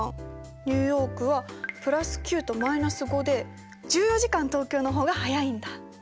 ニューヨークは＋９と−５で１４時間東京の方が早いんだ。